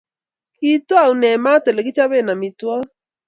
kiitoune maat ole kichoben amitwogik